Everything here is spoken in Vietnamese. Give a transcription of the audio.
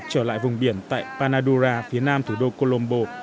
trở lại vùng biển tại panadura phía nam thủ đô colombo